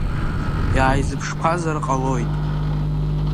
Иааизыԥшқәазар ҟалоит…